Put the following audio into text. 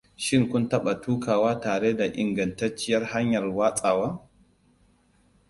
Shin kun taɓa tukawa tare da ingantacciyar hanyar watsawa?